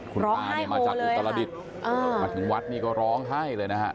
ก็ห้องให้มงเลยค่ะมาถึงวัดนี่ก็ร้องไห้เลยนะฮะ